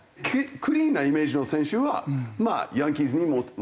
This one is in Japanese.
クリーンなイメージの選手はまあヤンキースに求めればいい。